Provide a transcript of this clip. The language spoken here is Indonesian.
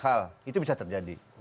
hal itu bisa terjadi